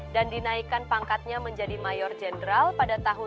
dan dinaikkan pangkatnya menjadi mayor jenderal pada tahun seribu sembilan ratus enam puluh satu